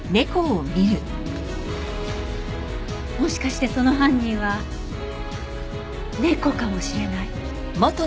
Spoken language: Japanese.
もしかしてその犯人は猫かもしれない。